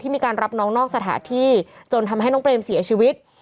มีการรับน้องนอกสถานที่จนทำให้น้องเปรมเสียชีวิต